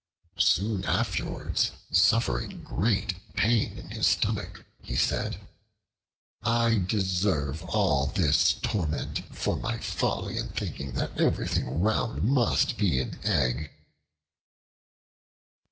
Soon afterwards suffering great pain in his stomach, he said, "I deserve all this torment, for my folly in thinking that everything round must be an egg."